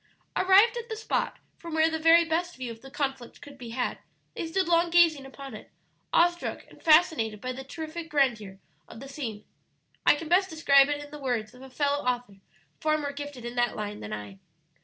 Arrived at the spot from where the very best view of the conflict could be had, they stood long gazing upon it, awestruck and fascinated by the terrific grandeur of the scene. I can best describe it in the words of a fellow author far more gifted in that line than I.